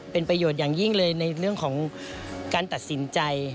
เป็นประโยชน์อย่างยิ่งเลยในเรื่องของการตัดสินใจ